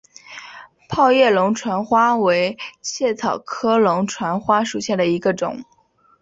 泡叶龙船花为茜草科龙船花属下的一个种。